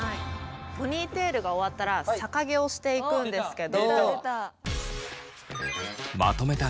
ポニーテールが終わったら逆毛をしていくんですけど。